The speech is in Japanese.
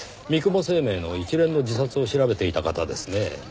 三雲生命の一連の自殺を調べていた方ですねぇ。